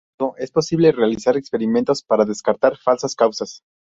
Sin embargo, es posible realizar experimentos para descartar falsas causas.